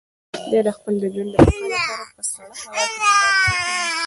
دی د خپل ژوند د بقا لپاره په سړه هوا کې مبارزه کوي.